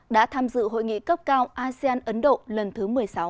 đã tham dự hội nghị cấp cao asean ấn độ lần thứ một mươi sáu